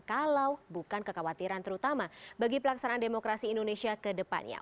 kalau bukan kekhawatiran terutama bagi pelaksanaan demokrasi indonesia ke depannya